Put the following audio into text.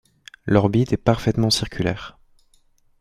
L'orbite est parfaitement circulaire.